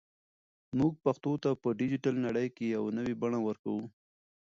موږ پښتو ته په ډیجیټل نړۍ کې یو نوی بڼه ورکوو.